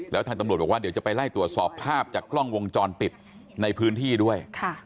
แล้วทางตำรวจบอกว่าเดี๋ยวจะไปไล่ตรวจสอบภาพจากกล้องวงจรปิดในพื้นที่ด้วย